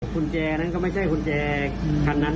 กุญแจนั้นก็ไม่ใช่กุญแจคันนั้น